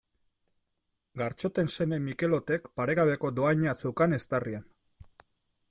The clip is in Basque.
Gartxoten seme Mikelotek paregabeko dohaina zeukan eztarrian.